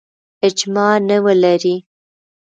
اجماع نه ولري.